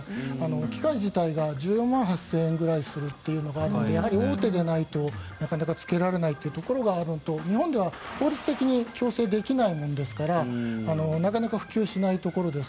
機械自体が１４万８０００円ぐらいするというのがあるので大手でないとなかなかつけられないというところがあるのと日本では法律的に強制できないものですからなかなか普及しないところです。